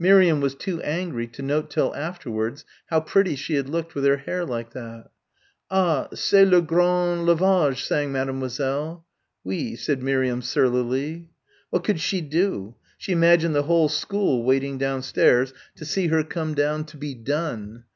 Miriam was too angry to note till afterwards how pretty she had looked with her hair like that. "Ah! ... c'est le grand lavage!" sang Mademoiselle. "Oui," said Miriam surlily. What could she do? She imagined the whole school waiting downstairs to see her come down to be done.